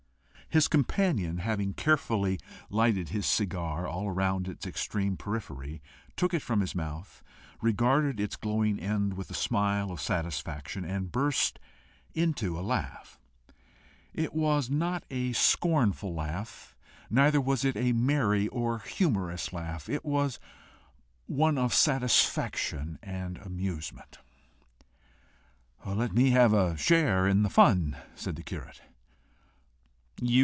His companion having carefully lighted his cigar all round its extreme periphery, took it from his mouth, regarded its glowing end with a smile of satisfaction, and burst into a laugh. It was not a scornful laugh, neither was it a merry or a humorous laugh; it was one of satisfaction and amusement. "Let me have a share in the fun," said the curate.